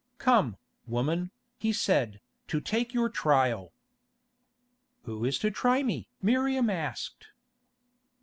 "Come, woman," he said, "to take your trial." "Who is to try me?" Miriam asked.